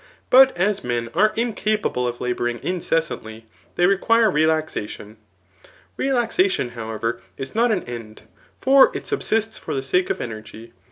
But as men are incapable of labouring incessantly, they require relaxation. Relaxation, however, is not an end; for it sub^ts for the sake of energy.